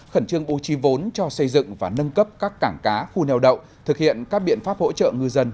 khẩn trương ưu trì vốn cho xây dựng và nâng cấp các cảng cá khu neo đậu thực hiện các biện pháp hỗ trợ ngư dân